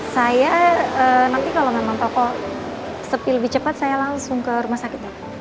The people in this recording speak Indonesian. saya nanti kalau memang toko sepi lebih cepat saya langsung ke rumah sakit